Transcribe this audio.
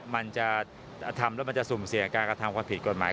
มันจะทำแล้วมันจะสุ่มเสี่ยงการกระทำความผิดกฎหมาย